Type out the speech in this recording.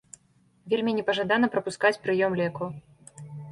Вельмі непажадана прапускаць прыём лекаў.